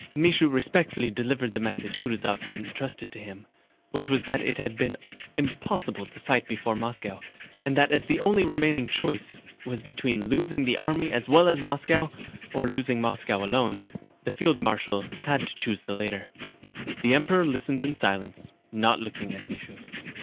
Michaud respectfully delivered the message Kutúzov had entrusted to him, which was that it had been impossible to fight before Moscow, and that as the only remaining choice was between losing the army as well as Moscow, or losing Moscow alone, the field marshal had to choose the latter. The Emperor listened in silence, not looking at Michaud.